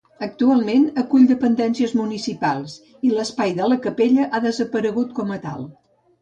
Actualment acull dependències municipals, i l'espai de la capella ha desaparegut com a tal.